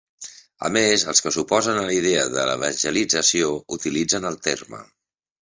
A més, els que s'oposen a la idea de l'evangelització utilitzen el terme.